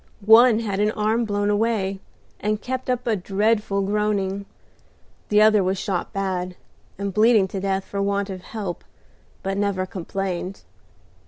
One had an arm blown away, and kept up a dreadful groaning. The other was shot bad, and bleeding to death for want of help, but never complained.